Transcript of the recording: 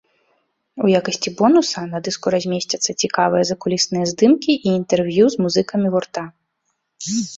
У якасці бонуса на дыску размесцяцца цікавыя закулісныя здымкі і інтэрв'ю з музыкамі гурта.